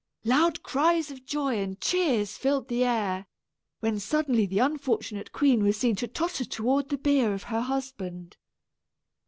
Loud cries of joy and cheers filled the air, when suddenly the unfortunate queen was seen to totter toward the bier of her husband.